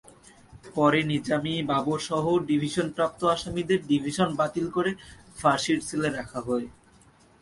পরে নিজামী, বাবরসহ ডিভিশনপ্রাপ্ত আসামিদের ডিভিশন বাতিল করে ফাঁসির সেলে রাখা হয়।